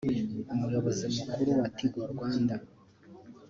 Umuyobozi mukuru wa Tigo Rwanda